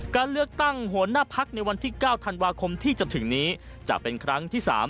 การเลือกตั้งหัวหน้าพักในวันที่๙ธันวาคมที่จะถึงนี้จะเป็นครั้งที่๓